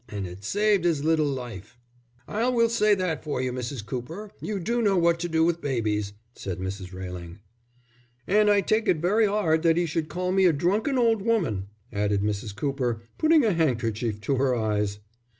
And it saved 'is little life." "I will say that for you, Mrs. Cooper, you do know what to do with babies," said Mrs. Railing. "And I take it very 'ard that 'e should call me a drunken old woman," added Mrs. Cooper, putting a handkerchief to her eyes.